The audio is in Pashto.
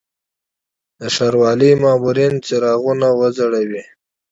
د ښاروالي مامورین څراغونه وځړوي.